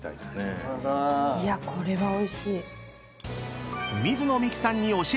いやこれはおいしい。